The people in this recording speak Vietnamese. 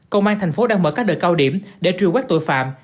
công an thành phố đang mở các đợi cao điểm để truyền quét tội phạm